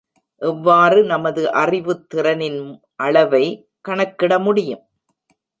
எவ்வாறு நமது அறிவுத்திறனின் அளவை கணக்கிட முடியும்?